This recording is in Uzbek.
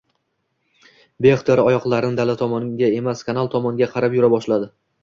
Beixtiyor oyoqlarim dala tomonga emas, kanal tomonga qarab yura boshladi